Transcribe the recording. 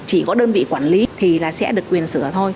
chỉ có đơn vị quản lý thì là sẽ được quyền sửa thôi